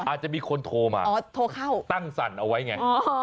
อาจจะมีคนโทรมาอ๋อโทรเข้าตั้งสั่นเอาไว้ไง